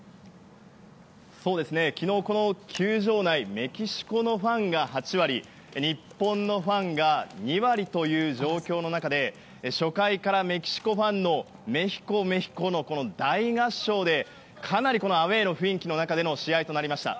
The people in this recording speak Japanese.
昨日、この球場内メキシコのファンが８割日本のファンが２割という状況の中で初回からメキシコファンのメヒコ、メヒコの大合唱でかなりアウェーの雰囲気の中での試合になりました。